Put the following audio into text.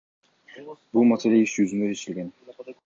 Бул маселе иш жүзүндө чечилген.